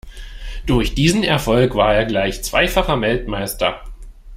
Durch diesen Erfolg war er gleich zweifacher Weltmeister.